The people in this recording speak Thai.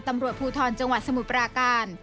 ตำรวจภูทรจังหวัดสมุทรปราการ